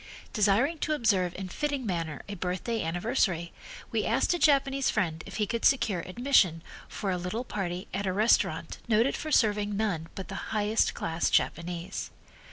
Desiring to observe in fitting manner a birthday anniversary, we asked a Japanese friend if he could secure admission for a little party at a restaurant noted for serving none but the highest class Japanese.